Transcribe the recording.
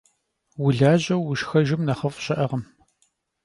Vulajeu vuşşxejjın nexhıf' şı'ekhım.